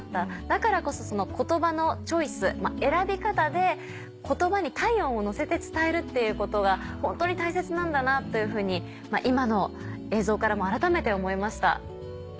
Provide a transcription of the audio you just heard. だからこそそのコトバのチョイス選び方でコトバに体温を乗せて伝えるっていうことがホントに大切なんだなというふうに今の映像からも改めて思いました。